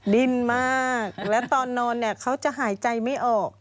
ดิ้นมากแล้วตอนนอนเนี่ยเขาจะหายใจไม่ออก